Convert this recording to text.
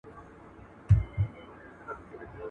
فابريکو خپل زوړ سيسټم په زوره چلاوه.